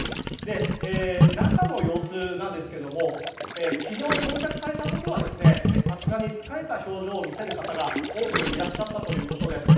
中の様子ですが昨日到着された時はさすがに疲れた表情を見せる方が多くいらっしゃったということです。